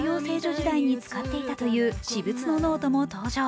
時代に使っていたという私物のノートも登場。